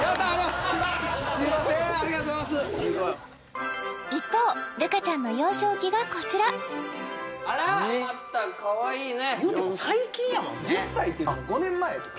すいませんありがとうございます一方瑠香ちゃんの幼少期がこちらあらまたかわいいね１０歳っていうても５年前ってこと？